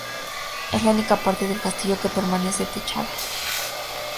Es la única parte del castillo que permanece techada.